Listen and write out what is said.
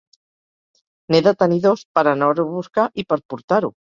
N'he de tenir dos, per anar-ho a buscar i per portar-ho.